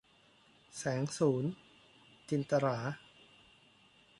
แสงสูรย์ - จินตะหรา